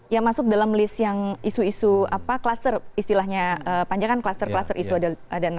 ya masuk dalam list yang isu isu kluster istilahnya panjang kan kluster kluster isu ada enam belas